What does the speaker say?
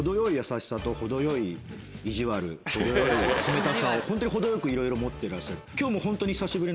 程よい冷たさをホントに程よくいろいろ持ってらっしゃる。